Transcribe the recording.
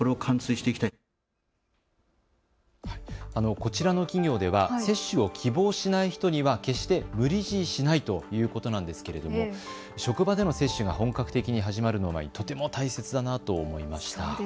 こちらの企業では接種を希望しない人には決して無理強いしないということなんですけれども、職場での接種が本格的に始まるのを前にとても大切だなと思いました。